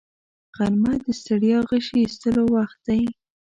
غرمه د ستړیا غشي ایستلو وخت دی